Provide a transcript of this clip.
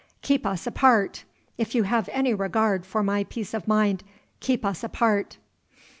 Keep us apart. If you have any regard for my peace of mind, keep us apart."